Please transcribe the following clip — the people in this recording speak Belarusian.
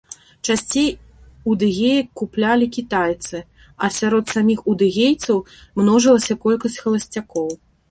Часцей удэгеек куплялі кітайцы, а сярод саміх удэгейцаў множылася колькасць халасцякоў.